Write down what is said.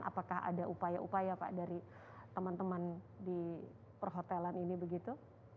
apakah ada upaya upaya pak dari teman teman di perhotelan ini begitu